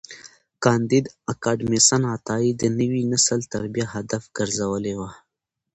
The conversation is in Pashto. کانديد اکاډميسن عطایي د نوي نسل تربیه هدف ګرځولي وه.